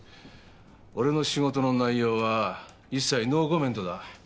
俺の仕事の内容は一切ノーコメントだ。